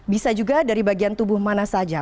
bisa juga dari bagian tubuh mana saja